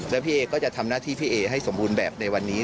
แล้วพี่เอก็จะทำหน้าที่พี่เอให้สมบูรณ์แบบในวันนี้